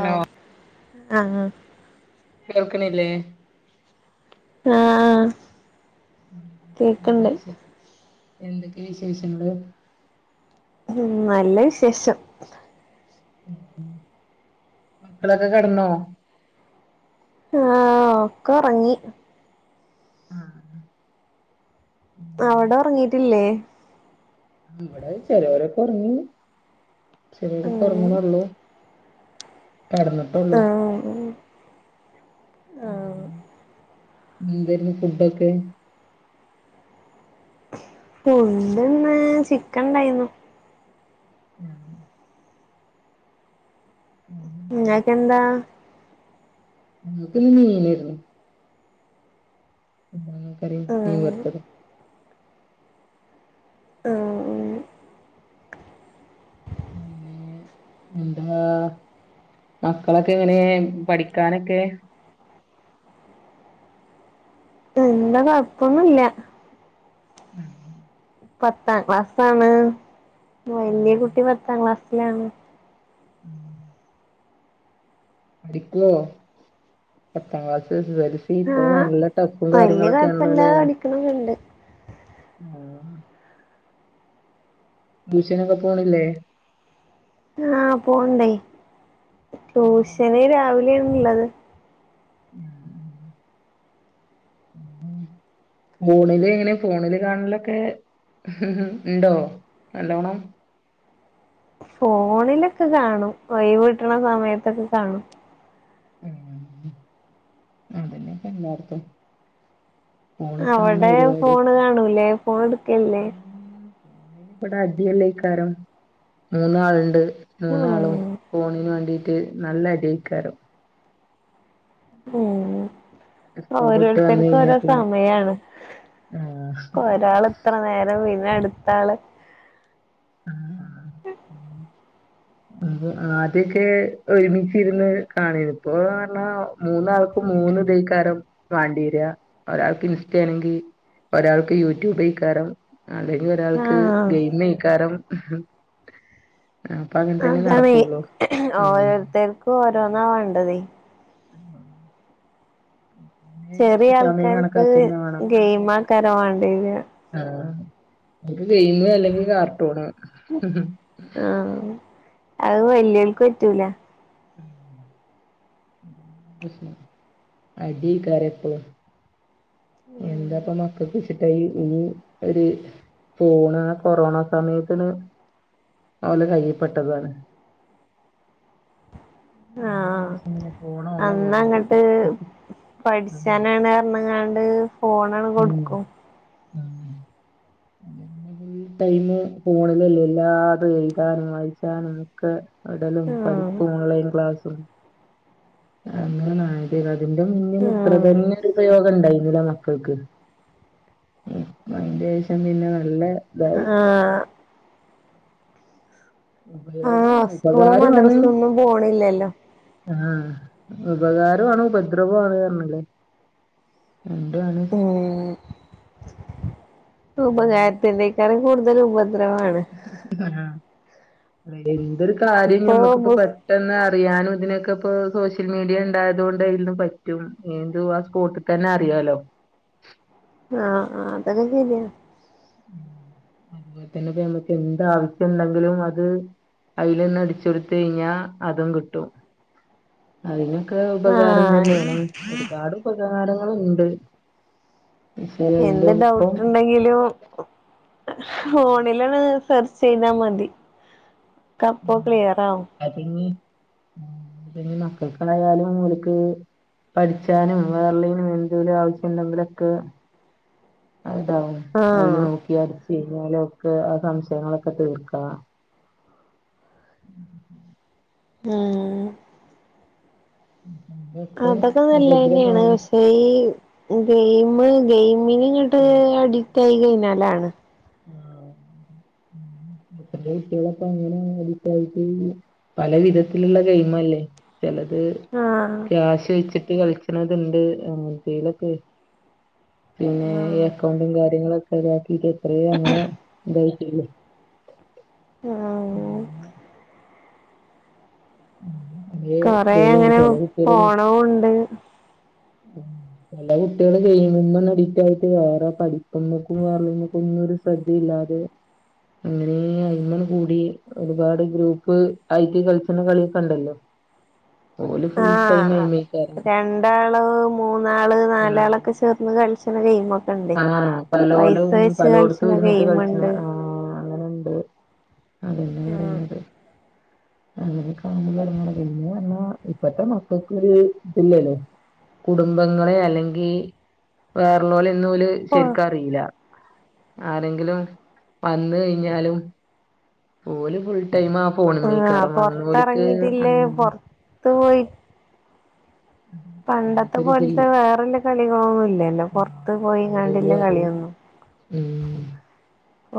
ഓ ആഹ് കേൾക്ക്ണില്ലേ ആഹ് എന്താ കേക്ക്ണ്ട് വിശ എന്തൊക്കെയാ വിശേഷങ്ങള് ഉം നല്ല വിശേഷം മ് മക്കളൊക്കെ കിടന്നോ ആഹ് ഒക്കെ ഒറങ്ങി ഉം അവിടെ ഒറങ്ങീട്ടില്ലേ ഇവിടെ ചെലവരൊക്കെ ഒറങ്ങി ചെലവരിപ്പൊ ഉം ഒറങ്ങണെ ഒള്ളൂ കടന്നിട്ടള്ളൂ ആഹ് ആഹ് എന്തരുന്നു ഫുഡൊക്കെ ഫുണ്ട്ന്ന് ചിക്കൻ ഇണ്ടായിരുന്നു നാ നിഞക്കെന്താ ഗ്രൂപ്പില് നീതനരുന്നു മാങ്ങാ കറി മീൻ ആഹ് വർത്തതും ആഹ് അ പിന്നെ എന്തുവാ മക്കളൊക്കെ എങ്ങനെ പഠിക്കാനൊക്കെ ഇല്ല കൊപ്പൊന്നുല്ല ആഹ് പത്താം ക്ലാസ്സാണ് വലിയ കുട്ടി പത്താം ക്ലാസ്സിലാണ് ഉം പഠിക്കുവോ പത്താം ക്ലാസ്സ് [unintelligible] ഇപ്പൊ ആഹ് നല്ല ടഫും കാര്യങ്ങളൊക്കെ ആണല്ലോ അല്ലേ ക്കണന്നൊണ്ട് ആഹ് റ്റൂഷനൊക്കെ പോണില്ലേ ആഹ് പോണുണ്ടേ ട്യൂഷന് രാവിലെയാണുള്ളത് ഞ ഫോണില് എങ്ങനെ ഫോണില് കാണലൊക്കെ ഉണ്ടോ നല്ലോണം ഫോണിലൊക്കെ കാണും ഒഴിവ്ട്ടണ സമയത്തൊക്കെ കാണും ഉം അതന്നെപ്പ എല്ലാട്തും അവിടെ പരിപാടി ഫോണ് കാണൂലേ ഫോൺ എടുക്കല്ലേ ഉം അയ്‌ന് ഇവിടെ അടിയെല്ലേയ്ക്കാരം മൂന്നാൾണ്ട് മൂന്നാളും ഉം ഫോണിന് വേണ്ടീട്ട് നല്ല അടിയ്കാരം ഉം സ്കൂൾ വിട്ട് വന്ന് ഓരോരുത്തർക്കും കഴിഞ്ഞാ ഓരോ പിന്നെ സമയാണ് ആഹ് ഒരാള് ഇത്ര നേരം പിന്നെ അടുത്താള് ആഹ് ആഹ് പിന്നെ ആദ്യൊക്കെ ഒരുമിച്ചിരുന്ന് കാണേനി ഇപ്പൊപർഞ്ഞാ മൂന്നാൾക്ക് മൂന്ന് ഇതൈക്കാരം വാണ്ടിര ഒരാൾക്ക് ഇനിസ്റ്റ് ആണെങ്കിൽ ഒരാൾക്ക് യൂട്യൂബയ്കാരം അല്ലെങ്കിൽ ഒരാൾക്ക് ആഹ് ഗെയിമെയ്ക്കാരം അങ്ങ അതാണ് ഓരോരുത്തർക്കും ഓരോന്നാ വേണ്ടത് ആ ചെറിയ സമയം ആൾക്കാർക്ക് കണക്കാക്കന്നെ വേണം ഗെയിമാക്കാര വാണ്ടിത് ആഹ് ഒര് ഗയിം അല്ലെങ്കിൽ കാർട്ടൂണ് ആഹ് അത് വല്ല്യോൽക്ക് പറ്റൂല ഉം അതാണ് പ്രശ്നം അടിയ്കാരം എപ്പളും ഉം എന്താപ്പ മക്കൾക്ക് വെച്ചിട്ടായി ഒരു ഒര് ഫോണ് ണ് കൊറോണ സമയത്തിന് അവല കയ്യിപ്പെട്ടതാണ് ആഹ് എന്നേശഷം പിന്നെ ഫോണ് ഓലെ പോലെയായി അന്നങ്ങട്ട് പോയാണ്ട് ഫോൺ ഉം ഉം അന്ന് ഈ ടൈമ ഫോണിലല്ല എല്ലാതും എഴുതാനും വായിക്കാനും ഒക്കെ എവിടലും ഉം പഠിപ്പും ഓൺലൈൻ ക്ലാസ്സും അങ്ങനായത് അതിന്റെ മുന്നന്നും ഉം ഇത്രതന്നെ ഒരുപയോഗം ഉണ്ടായിന്നില്ല മക്കൾക്ക് ഉം ഇപ്പയിന്റെഷം പിന്നെ നല്ലേ അഹ് ആഹ് ഉപയോഗം ആഹ് സ്കൂളും ഉപകാരാണ് മദ്രസും ഒന്നും പോണില്ലല്ലോ ആഹ് ഉപകാരവാണ് ഉപദ്രവവാണ് അർഞ്ഞിലെ രണ്ടു ആണ് ഉം ഉപകാരത്തിനേക്കാളും കൂടുതല് ഉപദ്രവാണ് ആഹ് എന്തൊരു കാര്യനി ഇപ്പൊ ഞമ്മക്കിപ്പം പ ബുസ് പെട്ടെന്ന് അറിയാനും ഇതിനൊക്കെ ഇപ്പോ സോഷ്യൽ മീഡിയ ഉണ്ടായതുകൊണ്ട് ഇതിൽന്ന് പറ്റും ഏന്തുവാ സ്പോട്ട് തന്നെ അറിയാലോ ആഹ് ആഹ് അതൊക്കെ ശെരിയാ അയിനിപ്പ എന്താവശ്യം ഉണ്ടെങ്കിലും അത് അയിലൊന്ന് അടിച്ച് കൊടുത്ത് കഴിഞ്ഞാ അതും കിട്ടും അയിനൊക്കെ ഉപകാരം ആഹ് തന്നെയാണ് ഒരുപാട് ഉപകാരങ്ങളുണ്ട് പക്ഷെ അയിന്റെ എന്ത് ഒപ്പം ഡൗട്ടുണ്ടെങ്കിലും ഫോണിലണ് സെർച്ച്യ്താ മതി ക്കപ്പോ ക്ലിയർ ആവും അതിനി ഉം പിന്നെ മക്കൾക്കാണായാലും ഓല്ക്ക് പഠിച്ചാനും വേറെള്ളേനും എന്തൂലേ ആവശ്യയുണ്ടെങ്കിലൊക്കെ അത് ഇതാവും. അയില് ആഹ് നോക്ക്യാ ചെയ്യാലോൽക്ക്. ആഹ് സംശയങ്ങളൊക്കെ തീർക്കാ. ഉം ഉം ഉം ബെ അതൊക്കെ നല്ലയന്നെയാണ് പക്ഷേ ഈ ഗെയിമ്, ഗെയിമിന് ഇങ്ങട്ട് അഡിക്റ്റ് ആയി കഴിഞ്ഞാലാണ്. ആഹ് ഉം ഇപ്പത്തെ കുട്ടികളൊക്കെ അങ്ങനെ അഡിക്റ്റായി കഴിഞ്ഞ് പല വിധത്തിലുള്ള ഗെയിമല്ലേ? ചെലത് ആഹ് ക്യാഷ് വെച്ചിട്ട് കളിക്കണതുണ്ട്. ആഹ് എന്തേലൊക്കെ പിന്നെ ഈ ആഹ് എക്കൗണ്ടും കാര്യങ്ങളൊക്കെ ഇതാക്കിട്ട് എത്രയോ അങ്ങനെ ഇതായിട്ടില്ലേ? ആഹ് ആഹ് അതേ കൊറേ ഇതോലുണ്ട് അങ്ങനെ ചെല പോണോ ഒണ്ട് ഉം ചെല കുട്ടികള് ഗെയിമിന്ന് അഡിക്റ്റായിട്ട് വേറെ പഠിപ്പുമ്മ്ക്കും വേറെന്നക്കും ഒന്നോരു ശ്രദ്ധയില്ലാതെ അങ്ങനെ അയ്മകൂടി ഒരുപാട് ഗ്രൂപ്പ് ആയിട്ട് കളിച്ചണ കളിയൊക്കേണ്ടല്ലോ ഓല് ഫുൾ ടൈം ആഹ് അയിമേക്കാര്ന്ന് രണ്ടാള് മൂന്നാള് ആഹ് നാലാളൊക്കെ ചേർന്ന് കളിച്ചണ ഗെയിമാ ആഹ് പലോലും പലോടത്തും കളിച്ച്ണ ഇരുന്നിട്ട് കളിച്ചണ ഗെയിമ്ണ്ട് ആഹ് അങ്ങനുണ്ട് അതന്നാ പറയുന്നത് അങ്ങനെ [unintelligible] ഇപ്പത്തെ മക്കക്ക് ഒരു ഇതില്ലല്ലോ കുടുംബങ്ങളെ അല്ലെങ്കി വേറെള്ളോലെ ഒന്ന് ഓല് ആഹ് ശരിക്കറിയില്ല. ആരെങ്കിലും വന്ന് കഴിഞ്ഞാലും ഓല് ഫുൾ ടൈമ് ആഹ് ആഹ് ഫോണുമേക്കാലും വന്ന ഓല്ക്ക് ത്ത് പോയി പണ്ടത്തെ പോലത്തെ അങ്ങനത്തൊരിതില്ല വേറൊല്ല കളികളൊന്നും ഇല്ല വല്ലോം ആഹ് പൊറത്ത് കളികളും പോയിങ്ങാണ്ട്ള്ള അറിയില്ല കളിയൊന്നും ഉം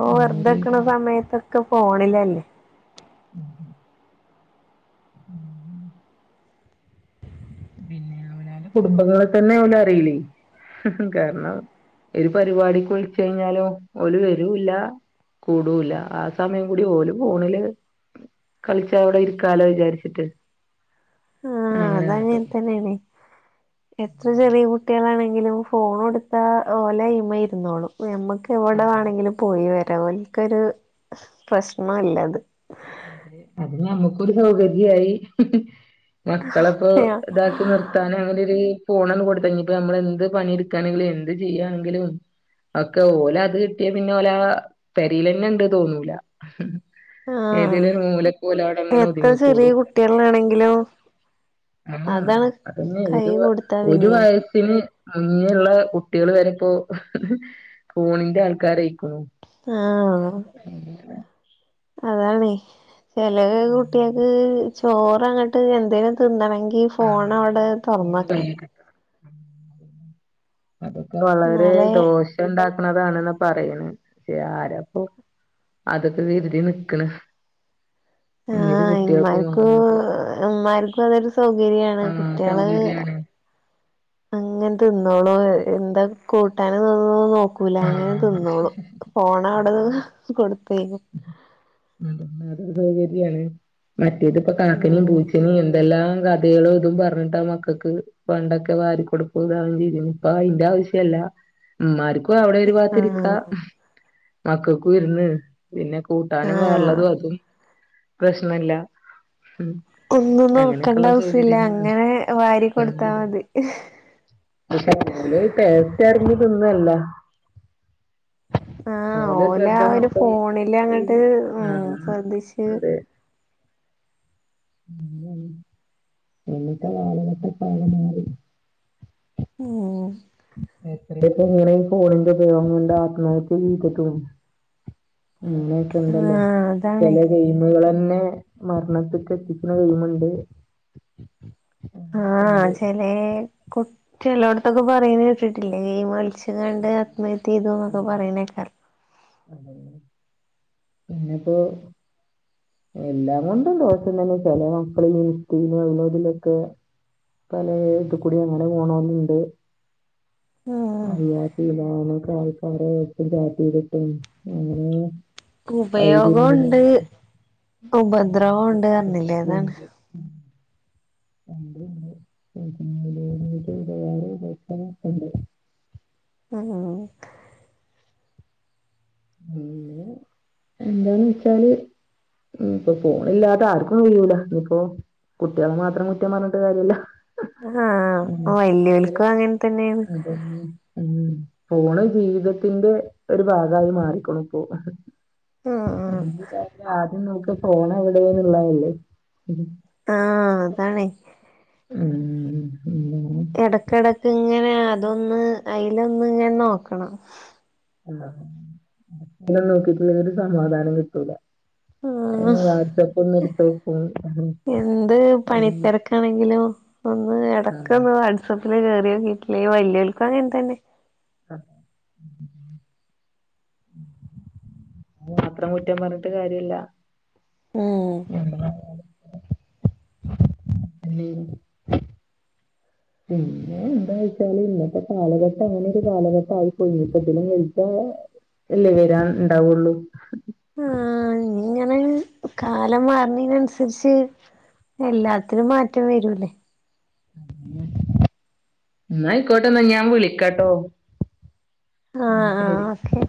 ഓഹ് വെറുതേക്ക്ണ് ഓരീന്ന് സമയത്തൊക്കെ ഫോണിലല്ലേ? ഉം ഉം ഉം ഉം പിന്നേ അവനോന്റെ കുടുംബങ്ങളെ തന്നെ ഓല് അറിയില്ലേ കാരണം ഒരു പരിപാടിക്ക് വിളിച്ചഴിഞ്ഞാലും ഓല് വരൂല്ല കൂടൂല്ല. ആ സമയം കൂടി ഓല് ഫോണില് കളിച്ചവിടെ ഇരിക്കാലോ വിചാരിച്ചിട്ട് ആഹ് അങ്ങനെ കാട്ടും അതങ്ങനെ തന്നേണ് എത്ര ചെറ്യ കുട്ടികളാണെങ്കിലും ഫോണൊടുത്താ ഓലായ്മ ഇരുന്നോളും നമ്മക് ക്കെവടെ അതെ വേണങ്കിലും പോയി വരാ ഓല്ക്കൊരു പ്രശ്നോല്ലത് അത് ഞമ്മുക്കൊരു സൗകര്യായി. മക്കളപ്പോ ഇതാക്കി നിർ ത്താനും അങ്ങനെ ഒര് ഫോണന്ന് കൊടുത്താ ഇഞ്ഞിപ്പ ഞമ്മള് എന്ത് പണിടുക്കാണെങ്കിലും എന്ത് ചിയ്യാണെങ്കിലും അതൊക്കെ ഓല അത് കിട്ട്യാ പിന്ന ഓലാ പെരീലന്നെ ഉണ്ട് തോന്നൂല. ആഹ് ഏതേലും ഒരു മൂലക്ക് ഓലവടങ്ങനെ എത്ര ചെറിയ ഒതുങ്ങിക്കൂടും. കുട്ടികളാണെങ്കിലും ആഹ് അതാണ് അതന്നെ. കൈ ഒരു കൊടുത്താ ഒരു പിന്നെ വയസ്സിന് മുന്നേള്ള കുട്ടികള് വരെ ഇപ്പോ ഫോണിന്റെ ആൾക്കാരയിക്കുണു. ആഹ് അതാണ് ചെല കുട്ടികൾക്ക് ചോറങ്ങോട്ട് എന്തേിലും തിന്നണങ്കി ഫോൺ ആഹ് അവിടെ ഫോണ് തുറന്നക്കണം കയ്യി കിട്ടണം അതൊക്കെ വളരെ എന്നാലേ ദോഷ- ഉണ്ടാക്കുന്നതാണെന്ന പറയണ് പക്ഷെ ആരപ്പോ അതൊക്കെ കരുതി നിക്കണ് ഏത് കുട്ടികൾകും വാണത് ഉമ്മാർക്കും അതൊരു സൗകര്യാണ് ആഹ് കുട്ടിള് സൗകര്യാണ് അങ്ങനെ തിന്നോളൂ എന്താ കൂട്ടാന് തൊന്നും നോക്കു- ക്കൂല അങ്ങനെ ആഹ് തിന്നോളൂ ഫോണവിടെ അതാണ് കൊടുത്തേ- ഉം അല്ലാതൊരു സൗകര്യമാണ് മറ്റേതിപ്പ കാക്കനിയും ഉം പൂച്ചണി എന്തെല്ലാം കാ ളോ ഇതും പറഞ്ഞിട്ട് ആ മക്കൾക്ക് പണ്ടൊക്കെ വാരി കൊടുക്കും ഇതാ വണ്ടി രും ഇപ്പൊ അതിന്റെ ആവശ്യല്ല ഇമാർക്ക്‌ ഇപ്പ അവിടെ ഒരു ആഹ് പാത്തിരിക്കാ മക്കൾക് ഇരുന്ന് പിന്നെ കൂട്ടാനും ആഹ് വേറള്ളതും അതും പ്രശ്നല്ല ഉം ഒന്നും നോക്കേണ്ട അങ്ങനെയൊക്കെയുള്ള അവസ്യല്ല സൗകര്യങ്ങളാണ് അങ്ങനെ വാരി കൊടുത്താ ഉം മതി പക്ഷെ ഓല് ടേസ്റ്ററിഞ്ഞ് തിന്നല്ല ആഹ് ഓലെ ഓലാ ശ്രദ്ധ ഒരു മൊത്തം ഫോണില് ഈ അങ്ങട്ട് ഉ ആഹ് ശ്രദ്ധിച് അതെ ഇന്നത്തെ കാലഘട്ടക്കെ ആകെ മാറി ഉം എത്രപ്പോ ഇങ്ങനെ ഈ ഫോണിന്റെ ഉപയോഗം കൊണ്ട് ആത്മഹത്യ ചെയ്തിട്ടും പിന്നെ ഉണ്ടല്ലോ ആഹ് അതാണ് ചില ഗെയിമുകള ന്നെ മരണത്തികെത്തിക്കണ ഗെയിമുണ്ട് അങ്ങനെയൊക്കെ ആഹ് ഉണ്ട് ചെല കു ചിലോടത്തൊക്കെ പറയുന്ന കേട്ടിട്ടില്ലേ ഗെയിം കളിച്- കളിച്ചഘാണ്ട് ആത്മഹത്യ ചെയ്തു എന്നൊക്കെ പറയുന്നേക്കാലൊ അതെ പിന്നെപ്പോ എല്ലാം കൊണ്ടും ദോഷം തന്നെ ചെല മക്കള ഇൻസ്റ്റയിലും അതിലുതിലൊക്കെ പലേ ഇതുക്കൂടി അങ്ങനെ പോണോലുണ്ട് ഉം അറിയാത്തില്ലക്ക ആൾക്കാരറ്റി ചാറ്റ് യ്തിട്ടും അങ്ങനെ വഴിതിരിഞ്ഞ് ഉപയോഗോണ്ട് പോണൊക്കെ ഉപദ്രവോണ്ട് ഇതൊക്കെ പറിഞ്ഞില്ലേ അതാണ് ഉണ്ട് [unintelligible] അഹ അഹ പിന്നെ എന്താന്ന് വെച്ചാല് ഉം ഇപ്പൊ ഫോണില്ലാതെ ആർക്കും കഴൂല ഇനിയിപ്പോ കുട്ടിയാള മാത്രം കുറ്റം പറഞ്ഞിട്ട് കാര്യല്ല ആഹ് വല്യോൽകും അങ്ങനെ തന്നെയാണ് ഉം, ഉം ഫോണ് ജീവിതത്തിന്റെ ഒരു ഭാഗായിമാറി. അയ്ക്ക്ണിപ്പോ ഉം ആദ്യം നോക്ക ഫോൺ എവിടെേന്ന് ഇള്ളതല്ലേ ആഹ് അതാണെ. ഉം ഉം, ഉം വേറെ എടെക്കെടെക്ക് ഇങ്ങനെ അതൊന്ന് അയ്ലൊന്ന് ഇങ്ങനെ നോക്കണം. എന്താ ഇതിനെ നോക്കിട്ടില്ലങ്കി ഒര് സമാധാനം കിട്ടൂല. ആഹ് അതിന് വാട്സആപ്പ് ഒന്ന് എടുത്ത് നോക്കും. ഉം എന്ത് ആഹ് അത് പണി തെര്ക്കാണെങ്കിലും ഇപ്പൊന്ന് എടെക്കൊന്ന് വാട്സപ്പില് കേറിയോക്കിട്ടില്ലെങ്കില് വല്ലിയോൽക്കും അങ്ങൻതന്നെ. അഹ് മാത്രം കുറ്റം പർഞ്ഞിട്ട് കാര്യല്ല. ഏഹ് ഞമ്മളെ [unintelligible] പിന്നെ എന്തായ്ച്ചാല് ഇന്നത്തെ കാലഘട്ടം അങ്ങനെ ഒരു കാലഘട്ട ആയിപ്പോയി ഇപ്പൊ ഇതിലും വെൽത് എല്ലേ വെരാൻ ഇണ്ടാവൊള്ളു. ആഹ് ഇങ്ങെനെ കാലം മാർണീന് അൻസര്ച്ച് എല്ലാത്തിലും മാറ്റം വെരൂലെ? ന്നയിക്കോട്ടെ ന്നാ ഞാൻ വിളിക്കാട്ടോ? ആഹ് ഉം ശരി. ആഹ് ഓക്കെ.